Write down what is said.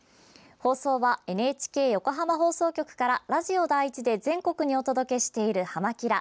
放送はＮＨＫ横浜放送局からラジオ第１で全国にお届けしている「はま☆キラ！」